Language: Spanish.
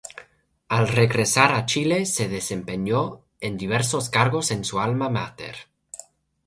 Al regresar a Chile, se desempeñó en diversos cargos en su alma máter.